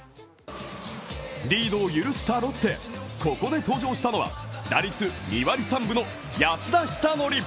リードを許したロッテここで登場したのは打率２割２分の安田尚憲。